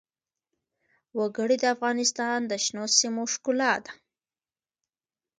وګړي د افغانستان د شنو سیمو ښکلا ده.